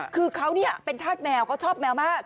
คือเขาเนี่ยเป็นทาสแมวเขาชอบแมวมาก